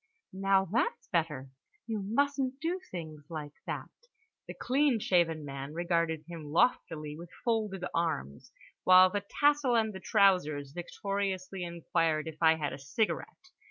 Now, that's better, you mustn't do things like that." The clean shaven man regarded him loftily with folded arms, while the tassel and the trousers victoriously inquired if I had a cigarette?